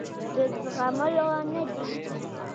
د زغملو نه دي.